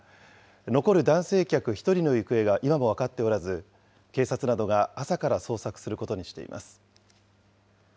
残る男性客１人の行方が今も分かっておらず、警察などが朝から捜索することにしています。